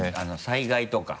災害とか。